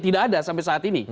tidak ada sampai saat ini